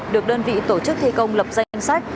được đơn vị tổ chức thi công lập danh sách